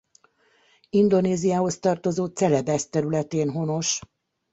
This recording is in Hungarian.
Indonéziához tartozó Celebesz területén honos.